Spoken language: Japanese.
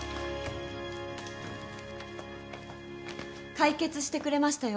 解決してくれましたよ